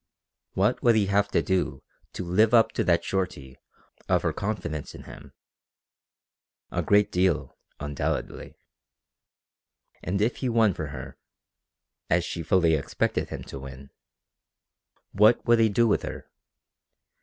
What would he have to do to live up to that surety of her confidence in him? A great deal, undoubtedly. And if he won for her, as she fully expected him to win, what would he do with her?